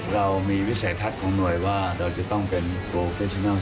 เรามีวิสัยทัศน์ของหน่วยว่าเราจะต้องเป็นโปรเฟชนัล